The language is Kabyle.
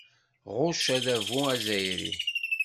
Ɣucc adabu azzayri.